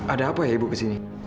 ada apa ya ibu kesini